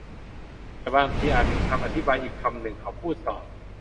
แต่บางทีอาจมีคำอธิบายอีกคำหนึ่งเขาพูดต่อ